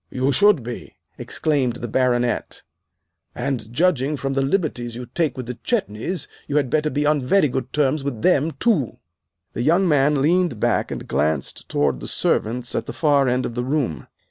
"You should be!" exclaimed the Baronet; "and, judging from the liberties you take with the Chetneys, you had better be on very good terms with them, too." The young man leaned back and glanced toward the servants at the far end of the room.